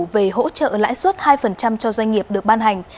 về hỗ trợ lãi suất hai cho doanh nghiệp được ban hành